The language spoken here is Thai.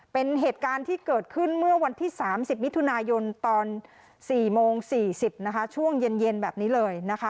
เป็นเหตุการณ์ที่เกิดขึ้นเมื่อวันที่๓๐มิถุนายนตอน๔โมง๔๐นะคะช่วงเย็นแบบนี้เลยนะคะ